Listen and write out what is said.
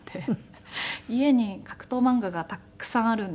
家に格闘漫画がたくさんあるんですけど趣味で。